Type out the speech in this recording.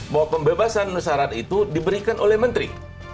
bahwa pembebasan syarat itu diberikan oleh menteri